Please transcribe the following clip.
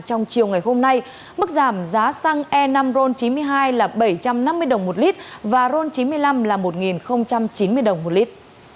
trong chiều ngày hôm nay mức giảm giá xăng e năm ron chín mươi hai là bảy trăm năm mươi đồng một lít và ron chín mươi năm là một chín mươi đồng một lít